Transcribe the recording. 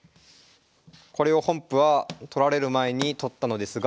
これを本譜は取られる前に取ったのですが。